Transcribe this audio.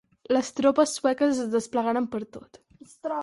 Les tropes sueques es desplegaren per tot.